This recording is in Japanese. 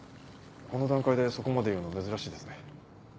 この段階でそこまで言うの珍しいですね。